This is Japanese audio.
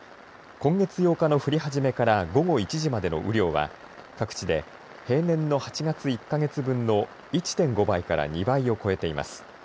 今月８日の降り始めから午後１時までの雨量は各地で平年の８月１か月分の１．５倍から２倍を超えています。